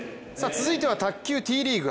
続いては卓球Ｔリーグ